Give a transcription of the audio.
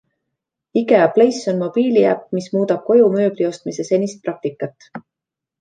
IKEA Place on mobiiliäpp, mis muudab koju mööbli ostmise senist praktikat.